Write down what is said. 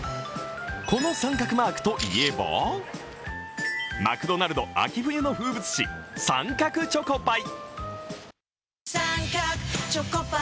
この三角マークといえばマクドナルド秋冬の風物詩、三角チョコパイ。